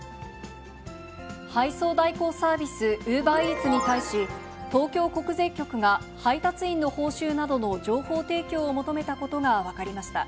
配送代行サービス、ウーバーイーツに対し、東京国税局が配達員の報酬などの情報提供を求めたことが分かりました。